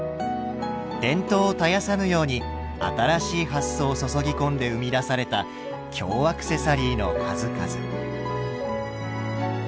伝統を絶やさぬように新しい発想を注ぎ込んで生み出された京アクセサリーの数々。